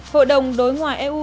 hội đồng đối ngoại eu